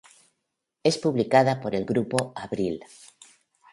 Es publicada por el Grupo Abril.